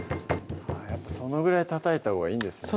やっぱそのぐらいたたいたほうがいいんですね